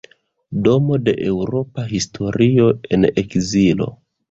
Domo de eŭropa historio en ekzilo.